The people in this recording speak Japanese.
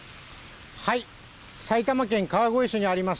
埼玉県川越市にあります